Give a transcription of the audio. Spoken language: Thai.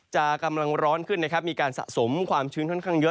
กำลังร้อนขึ้นนะครับมีการสะสมความชื้นค่อนข้างเยอะ